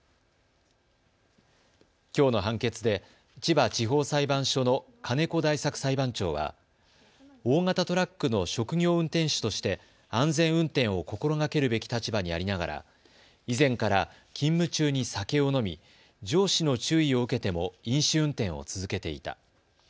きょうの判決で千葉地方裁判所の金子大作裁判長は大型トラックの職業運転手として安全運転を心がけるべき立場にありながら以前から勤務中に酒を飲み上司の注意を受けても飲酒運転を続けていた。